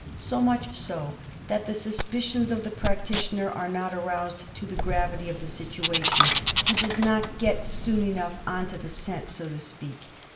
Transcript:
So much so, that the suspicions of the practitioner are not aroused to the gravity of the situation ; he does not get soon enough on to the scent, so to speak.